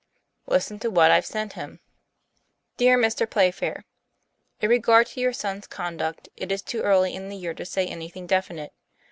'* Listen to what I've sent him. DEAR MR. PLAYFAIR : In regard to your son's conduct, it is too early in the year to say anything definite.